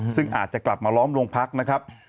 ซึ่งอาจจะกลับมาล้อมโรงพักนะครับ